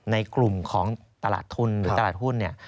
ในกลุ่มของตลาดทุนหรือตลาดหุ้นเนี่ย